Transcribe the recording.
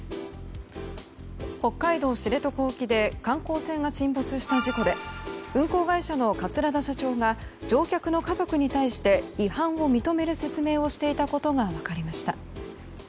北海道知床沖で観光船が沈没した事故で運航会社の桂田社長が乗客の家族に対して違反を認める説明をしていたことが分かりました。